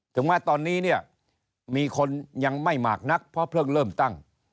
ถึงแม้ตอนนี้เนี่ยมีคนยังไม่มากนักเพราะเพิ่งเริ่มตั้ง